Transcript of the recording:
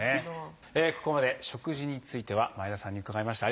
ここまで食事については前田さんに伺いました。